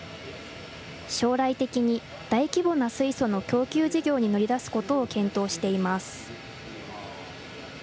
将来的に大規模な水素の供給事業に乗り出すことを検討しています。